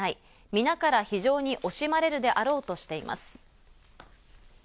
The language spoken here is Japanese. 皆から非常に惜しまれるであろうとしています。